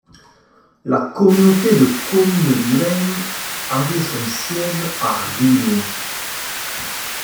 La communauté de communes du Rhin avait son siège à Rhinau.